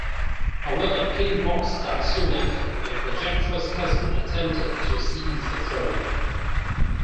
However, King Voxx died soon after, and Projectra's cousin attempted to seize the throne.